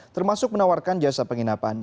termasuk menawarkan jasa penginapan